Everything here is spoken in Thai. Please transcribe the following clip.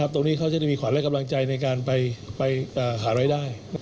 ตรงนี้เขาจะได้มีขวัญและกำลังใจในการไปหารายได้